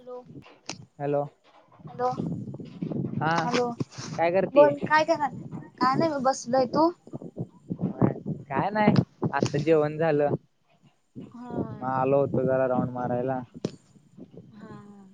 Hello hello hello बोल काय कराल्यास काय नाही मी बसलंय तू काय नाही आता जेवण झालं मग आलो होतो जरा राऊंड मारायला. हा हा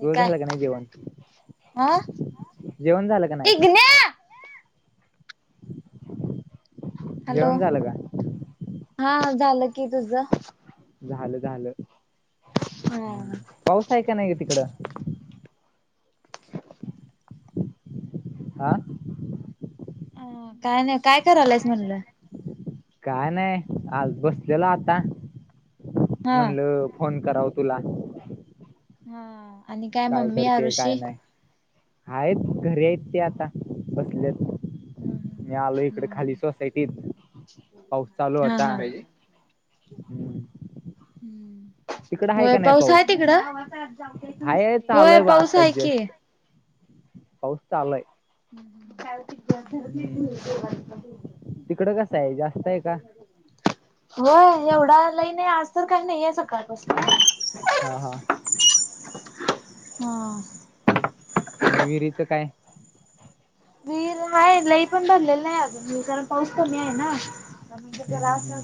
तुजं झाल का नाही जेवण. आ जेवण झालं का नाही. हॅलो हा झालं की तुझ झालं झालं पाऊस आहे का नाही ग तिकडं. आ काय नाही काय करायलास म्हटलं. काय नाही आज बसलेला आता म्हणल फोन कराव तुला. हा आणि काय मम्मी, आरुषी. हाईत घरी हैत ती आता बसल्यात. मी आलोय इकड खाली सोसायटीत पाऊस चालू होता. हम्म होय पाऊस हाय तिकड होय पाऊस हाय की. पाऊस चालू हाय. [unintelligible] जास्त करत नाही होय एवढा लइ नाही आज तर काही नाही आहे सकाळपासन. हा हा हा विहिरीचं काय विहीर आहे लई पण भरलेलं आहे अजून मी कारण पाऊस कमी आहे ना. म्हणजे जरा असं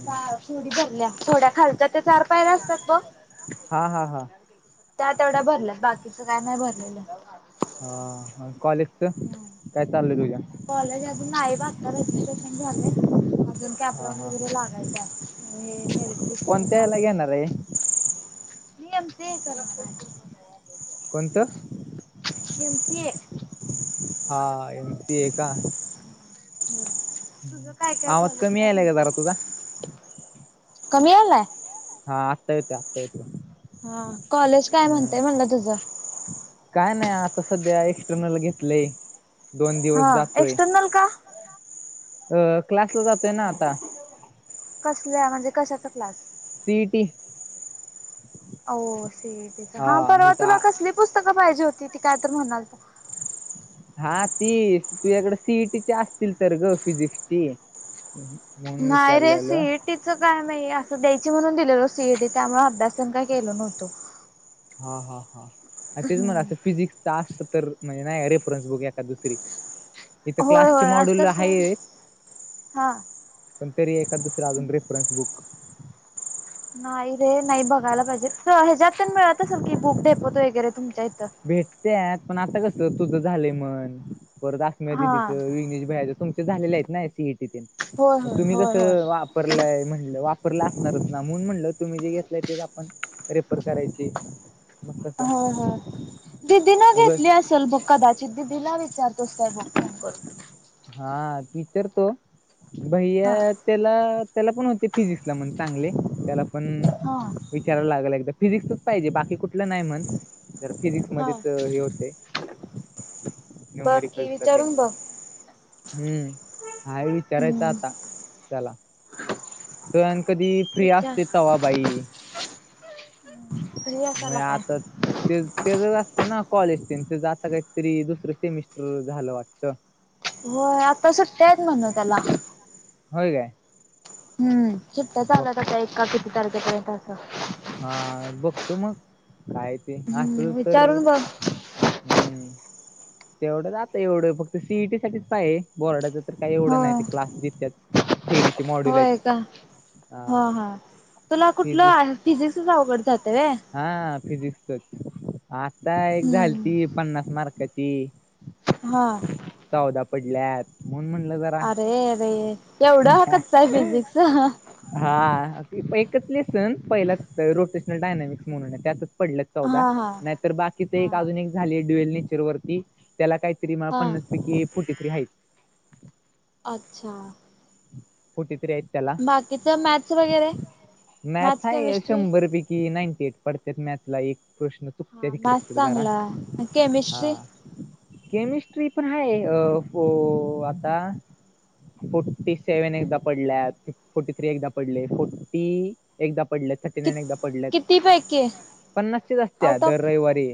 थोडी भरल्या थोड्या खालच्या ते चार पायला असतात बग हा हा हा त्या तेवढ्या भरल्यात बाकीचं काय नाही भरलेलं. हा कॉलेजचं. [unintelligible] काय चाल तुझ्या कॉलेज अजून नाही बघता रजिस्ट्रेशन झाले. अजून कॅपरान वगैरे लागायच आहे हे मेरिट लिस्ट मधून लागायचंय. एम सी ए करत्य. हा एम सी ए का? हो तुझ काय काय कॉलेज काय म्हण कमी आलाय. हा आगतायेत आगतायेत. हा कॉलेज काय म्हणतय म्हणला तुझं. काय नाही आता सध्या एक्सटर्नल घेतलंय दोन दिवस जातोय. का अ क्लासला जातोय ना आता कसल्या म्हणजे कशाचा क्लास? C E T. हो से तेच हा परवा तुला कसली पुस्तकं पाहिजे होती ती काय तर म्हणाल तर. हा ती तुझ्याकडे सीईटीची असतील तर ग फिजिक्सची मून विचारलेलं तिचं काय नाही असं द्यायची म्हणून दिलेल सीईडी त्यामुळे अभ्यासन काय केलं नव्हतं. हा हा हा तेच म्हणा असं फिजिक्स जास्त तर म्हणजे नाही रेफरन्स बुक आहे का दुसरी. इथं क्लासचे मॉडेल आहे. पण तरी एका दुसरा अजून रेफरन्स बुक नाही रे नाही बघायला पाहिजे ह्याच्यात पण मिळत असेल की बुक डेपोत वगैरे तुमच्या इथं. भेटतेत पण आता कसं तुझं झालंय मण परत असम्या दिदीचं विघ्नेशभयाचं तुमचं. झालेले आहेत ना सीटी मग तुम्ही कस. वापरलाय म्हणलं वापरला असणारच ना म्हून म्हटलं तुम्ही जे घेतलंय तेच आपण रेफर करायच. ते हो हो दिदी न घेतली अस. चल बग कदाचित दिदीला विचारतोस का ब. हा पीचर तो भैया. त्याला त्याला पण होते फिजिक्सला म्हण चांगले त्याला पण हा विचारायला लागेल एकदा फिजिक्सच पाहिजे बाकी कुठलं नाही म्हण जर फिजिक्स मध्येच हे होते. नव मरी कलसलातेन. हम्म हा विचारायच आता त्याला दण कधी फ्री असते तवा बाई. म आता तेच ते जर असते ना कॉलेज ते ते जाता काहीतरी दुसरं सेमिस्टर झालं वाटत. हो आता सुट्ट्याच म्हण त्याला हो काय? हम्म शिप्ट चालतता एका किती तारखेपर्यंत असं. हा बघतो मग काय ते असल तर. हम्म तेवढं जात एवढं फक्त सीईटी साठीच काय आहे बोर्डाचं तर काही एवढं नाही ते क्लास जेततत. हेरी होय का ह हा तुला कुठलं फिजिक्सच अवघड जातय. हा फिजिक्सच आता एक झाली ती पन्नास मार्काची ती हा. चौदा पडल्यात म्ह म्हटलं ज. अरेरे एवढं हाकचय फिजिक्स. हा एकच लेसन. पहिलाच रोटेशनल डायनामिक्स म्हणून त्यातच पडल. चौदा नाहीतर बाकीच एक अजून एक झाली डुएल नेचर वरती. त्याला काहीतरी म पन्नास पैकी फोर्टी थ्री आहेत. अच्छा फोटी थ्री आहेत त्याला. मॅथ आहे शंभर पैकी. कि नाईंटी एट पडत्यात मॅथला. एक प्रश्न चुकत्यात इकडे तिकडे जरा. हा केमिस्ट्री पण आहे. अ आता फोर्टी सेव्हन एकदा पडल्या. फोटी थ्री एकदा पडले. फोटी एकदा पडल्यात. थर्टी नाईन एकदा पडल्यात. पन्नासचीच असत्या दर रविवारी.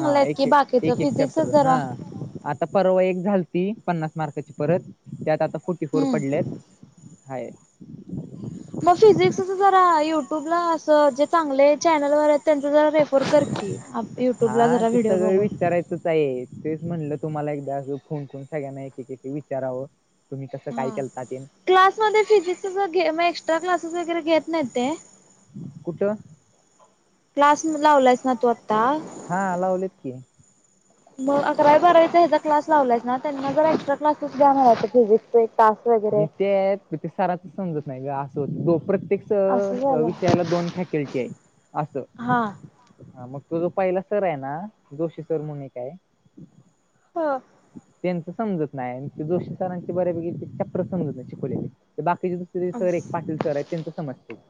हा एक एक एक एक चॅप्टर हा आता परवा एक झालती. पन्नास मार्काची परत. त्यात आता फोर्टी फोर पडलेत. आहे. मग फिजिक्स जरा युट्यूब ला अस ज चांगले चॅनलवर आहेत त्यांचा जरा रेफर कर की. युट्यूबला जरा व्हिडिओ बघून. आहे तेच म्हणलं तुम्हाला एकदा फोन करून सगळ्यांना एक एक एक विचारावं. तुम्ही कसं काय केलताते. क्लासमध्ये फिजिक्स घे मग एक्स्ट्रा क्लासेस वगैरे घेत नाही ते. क्लास लावलायस ना तू आता. हा लावलेत की. मग अकरावी बारावीचा ह्याचा क्लास लावलायस ना. त्यांना जर एक्स्ट्रा क्लासेस द्या म्हणाव फिजिक्सचे. तास वगैरे ते ते सारच समजत नाही ग अस होतो. प्रत्येक विषयाला दोन फॅकल्टी आहे असं. मग तो जो पहिला सर आहे ना जोशी सर म्हणून एक आहे. हा त्यांच समजत नाही. जोशी सरांचे बऱ्यापैकी चापटर समजत नाही शिकवलेले. बाकीचे सर एक पाटील सर आहे त्यांच समजते.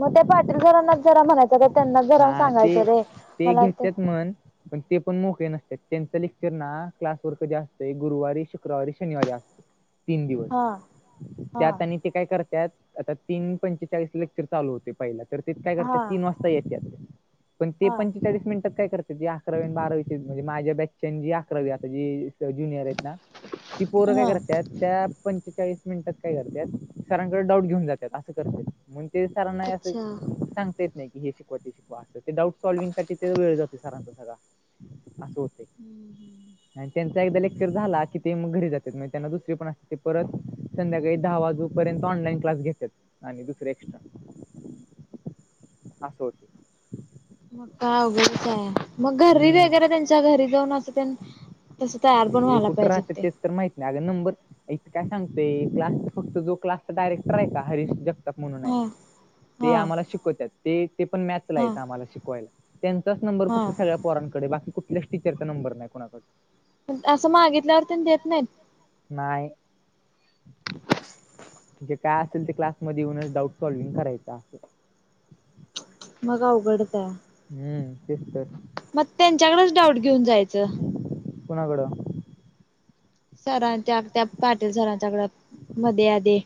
मग ते पाटील सरांना जरा म्हणायचं त्यांना जरा सांगायचं रे मला ते म्हण पण ते पण मोकळे नसतात. त्यांच लेक्चर ना क्लासवरर कधी असतंय. गुरुवारी, शुक्रवारी, शनिवारी असत. तीन दिवस. त्यात आणि ते काय करत्यात आता तीन पंचेचाळीस लेक्चर चालू होते पहिल. तर ते करतात तीन वाजता येतात पण ते पण पंचेचाळीस मिनिटात काय करते. ती अकरावी आणि बारावीची म्हणजे माझ्या ब्याचचे. जी अकरावी आता जी ज्युनियर आहेत ना, ती पोर काय करत त्यात त्या पंचेचाळीस मिनिटात काय करत्यात सरांकडे डाऊट घेऊन जात्यात. असं करत्यात. मग ते सरांना असं सांगता येत नाही. की हे शिकवा ते शिकवा असं. ते डाऊट सॉल्वविंगसाठी ते वेळ जाते सरांचा सगळा. असं होतय आणि त्यांचा एकदा लेकर झाला की ते मग घरी जातात. म त्यांना दुस ते पण असते. परत संध्याकाळी दहा वाजूपर्यंत ऑनलाईन क्लास घेत्यात. आणि दुसरे एक्स्ट्रा आस होतय. मग का अवघडच आहे. मग घरी वगैरे त्यांच्या घरी जाऊन पण तस तयार पण व्हायला पाहिजेत ते. तर माहित नाही अगं. नंबर इथे काय सांगतेय. क्लासचा फक्त जो क्लासचा डायरेक्टर आहे का हरीश जग म्हणून आहे. ते आम्हाला शिकवतात ते ते पण मॅथला आहेत. आम्हाला शिकवायला. त्यांचाच नंबर फक्त सगळ्या पोरांकडे आहे. बाकी कुठल्याच टीचरचा नंबर नाही कुणाकडे. असं मागितल्यावर त्यांन देत नाहीत. नाही [inaudible] म्हणजे जे काय असेल ते क्लासमध्ये येऊनच डाऊट सॉल्व्हिंग करायच अस. मग अवघडे त्या. हं. तेच तर. म त्यांच्याकडेच डाऊट घेऊन जायचं. कुणाकड? सरां त्या त्या पाटील सरांच्याकड मध्ये आध्ये.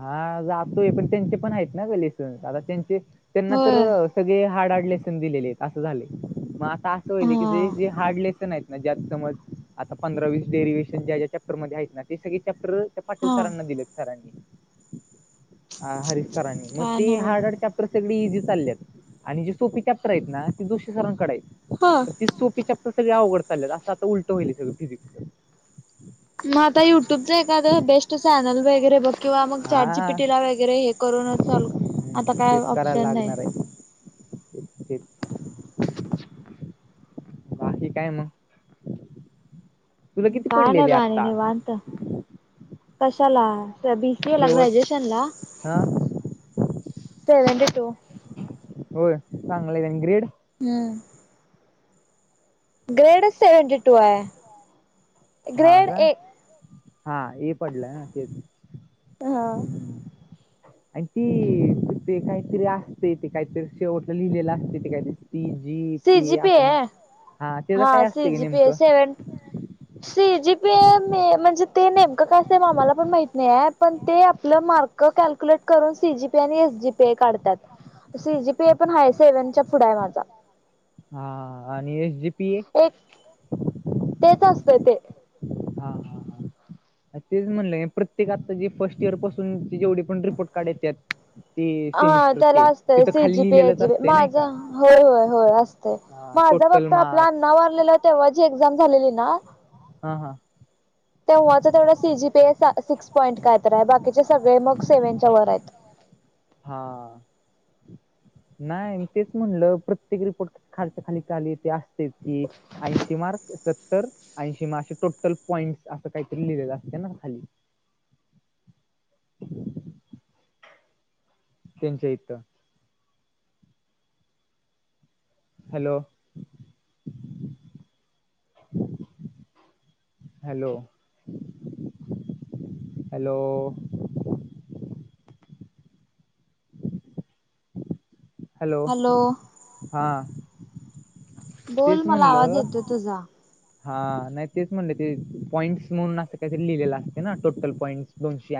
हा जातोय पण, त्यांचे पण आहेत ना ग लेसन. आता त्यांचे त्यांना तर सगळे हार्ड हार्ड लेसन दिलेलेत असं झालेल. मग आता असं होईल की जे जे हार्ड लेसन आहेत ना, ज्यात समज आता पंधरा वीस डेरिएशन ज्या चॅप्टरमध्ये आहेत ना. ते सगळे चॅप्टर पाटील सारना दिलेत सरांनी. ह हरिश सरांनी. मग ते हार्ड हार्ड चॅप्टर तर सगळी इझी चालल्यात. आणि जी सोपी चॅप्टर आहेत ना ती जोशी सरांकड आहेत. हां. ती सोपी चॅप्टर सगळी आवघड चालल्यात. असं आता उलट होयेल सगळं फिजिक्सच. मग आता युट्यूबचं एखादं बेस्ट चॅनल वगैरे बघ किंवा मग चॅट जी पी टीला वगैरे हे करूनच चालू. आता काय ऑप्शन नाही. बाकी काय मग? काय नाही बाकी निवांत. कशाला बी सी ए ला? ग्रॅज्युएशन ला? Seventy two. होय? चांगलं आहे, आणि ग्रेड? हं. ग्रेडच सेवंटी टू आहे. हा काय? हा ये पडलंय ना तेच. हां. आणि ती त ते काहीतरी असते, ते काहीतरी शेवटला लिहिलेलं असते ते काहीतरी पी जी पी ए असं मग, हा तेच काय असते ग नेमकं? सी जी पी म्हणजे ते नेमकं काय असते ते आम्हाला पण माहित नाहीये. पण ते आपलं मार्क क कॅल्कुलेट करून सी जी पी ए आणि एस जी पी ए काढतात. सी जी पी ए पण हाय. सेव्हन च्या पुढ आहे माझा. हा आणि एस जी पी ए? एक तेच असतय ते. हा हा हा. तेच म्हणलं प्रत्येक आता जी फर्स्ट इयर पासून जेवढे पण रिपोर्ट कार्ड येतात हा त्याला असतंय C G P A, S G P A. माझ होय होय होय असत तय. माझा फक्त आपला अण्णा वारलेला तेव्हा जी एक्झाम झालेली ना, हं हं. तेव्हाच तेवढा C G P A six point कायतरी आहे. बाकीचे सगळे मग सेव्हनच्या वर आहेत. हा. नाही मी तेच म्हणलं प्रत्येक रिपोर्ट खालच्या खाली चाली त्या असते की ऐंशी मार्क सत्तर ऐंशी म अशे टोटल पॉईंट्स असं काहीतरी लिहिलेलं असते ना खाली. [inaudible] त्यांच्या हितं. Hello, hello, hello. हॅलो, हा. बोल मला आवाज येतो तुझा. हा. नाही तेच म्हणले, ते पॉईंट्स म्हणून असं काहीतरी लिहिलेलं असते ना. Total points.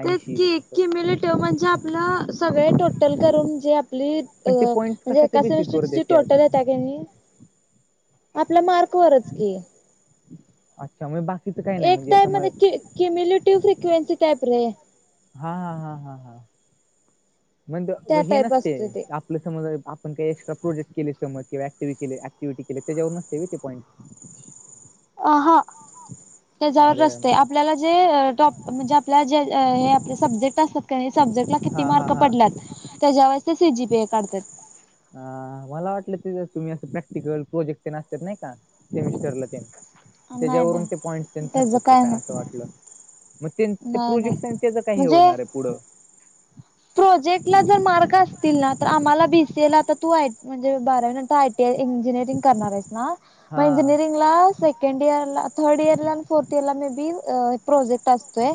तेच की किमेलिटीव, म्हणजे आपलं सगळे टोटल करून जे आपली अ म्हणजे एकाशिसच टोटल येत्यात. त्यंनी आपला मार्क वरच की. त्यामुळ बाकीचं काही नाही म्हणजे याच्यामुळे. किरमेलिटिव्ह फ्रे्कन्सी त टॅप रे. हा हा हा हा हा मंद हे नसते आप आपल समज आपण काही एक्स्ट्रा प्रोजेक्ट केले समज किंवा ऍक्टिव्हिट केले ऍक्टिव्हिटी केले त्याच्यावरन ते ते पॉईट. [inaudible] अ हा त्याच्यावर असतंय आपल्याला जे टॉप म्हणजे आपल्या जे हे आपले सब्जेक्ट असतात सब्जेक्टला किती मार्क पडल्यात त्याच्यावर ते सी जी पे काढतात. अ मला वाटलं ते तुम्ही असं प्रॅक्टिकल प्रोजेक्ट तेन असतात नाय का सेमिस्टरला ते. त्यज्यावरून ते पॉइंट् तेन ठरत्यात का काय असं वाटलं. तेन ते प्रोजेक्ट आण त्यच काय होणार आहे पुढं. प्रोजेक्ट ला जर मार्क असतील ना तर आम्हाला बी सीए ला आता तू आहेस बारावीनंतर आय टी आय इंजिनिरिंग करणार ना हायस ना मग इंजिनीरिंग. ला सेकंड इयर ला थर्ड इयरला आणि फोर्थ इयरला मे बी अ प्रोजेक्ट असतोय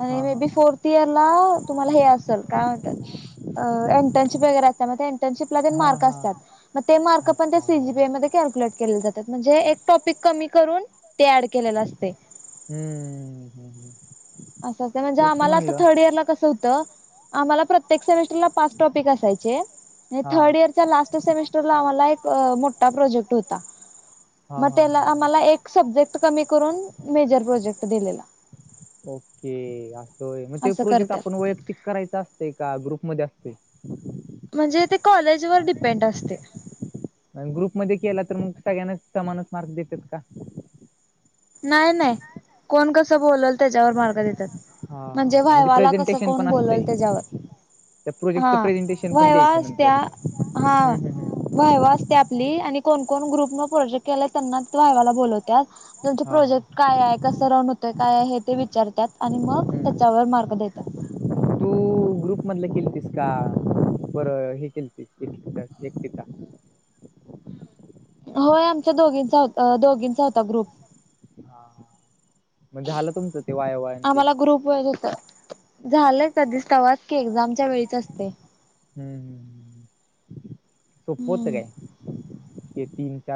आणि मे बी फोर्थ इयर ला तुम्हाला हे असल काय म्हणतात अ एंटरशिप वगैरे असत्या त्या एंटरशिपला ते मार्क असत्यात. मग ते मार्क पण ते सीबीजीय मध्ये कल्क्युलेट केले जात्यात म्हणजे एक टॉपिक कमी करून ते ऍड केलेलं असतय. हम्म हम्म! असअसतय म्हणजे आम्हाला आता थर्ड इयरला कस होत आम्हाला प्रत्येक सेमिस्टर ला पाच टॉपिक असायचे अन थर्ड इयर त्या लास्ट सेमिस्टरला आम्हाला एक मोठा प्रोजेक्ट होता. मग त्यला आम्हाला एक सब्जेक्ट कमी करून मेजर प्रोजेक्ट दिल्याला. ओके अस होय मग ते प्रोजेक्ट आपण वयक्तिक करायच असते का ग्रुपमध्ये असते. म्हणजे ते कॉलेजवर डिपेंड असते. अन ग्रुप मध्ये केला तर मग सगळ्यांनाच समानच मार्क देत्यात का? नाय नाय कोण कसं बोलल त्याच्यावर मार्ग देत्यात. म्हणजे व्हायवाला कसं कोण बोलल त्याच्यावर हा व्हायवा असत्या हा. व्हायवा असत्या आपली आणि कोण कोण ग्रुप न प्रोजेक्ट केलय त्यांनाच व्हायवाला बोलवतत्यात. काय हाय कसं रन होतय काय हाय हे ते विचारत्यात आणि मग त्याच्यावर मार्क देत्यात. तु ग्रुप मधल केलतीस का बरं हे केलतीस एकिता एकिता. होय आमच्या दोघींचा होता दोघींचा होता ग्रुप हा हा म्हणजे झालं तुमचं ते व्हायवा ते. ग्रुप वर होता. झालंय तधिस कवास की एक्झामच्या वेळीच असते. हम्म हम् सोप होत काय, ते तीन चार?